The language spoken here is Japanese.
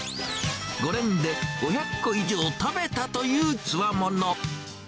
５年で５００個以上食べたというつわもの。